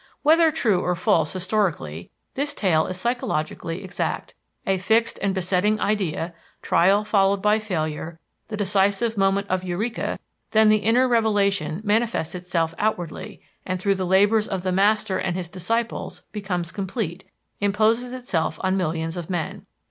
Whether true or false historically, this tale is psychologically exact. A fixed and besetting idea, trial followed by failure, the decisive moment of Eureka! then the inner revelation manifests itself outwardly, and through the labors of the master and his disciples becomes complete, imposes itself on millions of men.